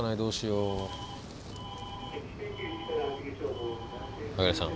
うん？